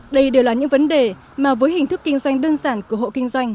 đây đều là những vấn đề mà với hình thức kinh doanh đơn giản của hộ kinh doanh